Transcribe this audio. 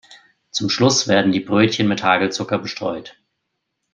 Zum Schluss werden die Brötchen mit Hagelzucker bestreut.